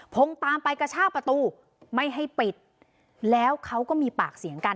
ตามไปกระชากประตูไม่ให้ปิดแล้วเขาก็มีปากเสียงกัน